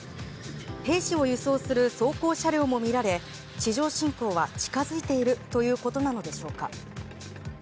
兵士を輸送する装甲車両も見られ地上侵攻は近づいているということなのでしょうか。